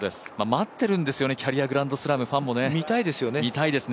待ってるんですよね、キャリアグランドスラム、ファンもね。